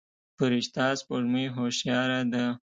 فرشته سپوږمۍ هوښياره ده.